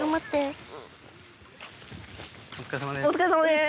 お疲れさまです。